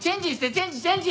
チェンジチェンジ！